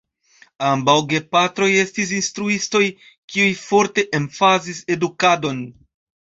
Ambaŭ gepatroj estis instruistoj; kiuj forte emfazis edukadon.